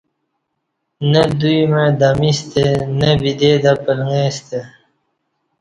نہ دوی مع دمیستہ نہ بدی تہ پلݣیستہ